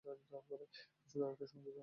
শুধু আরেকটা সংযোজন।